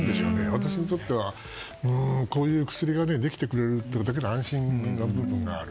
私にとってはこういう薬ができてくれるだけで安心な部分がある。